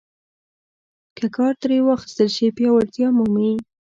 که کار ترې واخیستل شي پیاوړتیا مومي.